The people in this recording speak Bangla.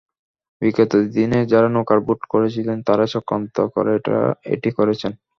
বিগত দিনে যাঁরা নৌকার ভোট করেছিলেন, তাঁরাই চক্রান্ত করে এটি করেছেন।